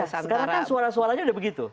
sekarang kan suara suaranya udah begitu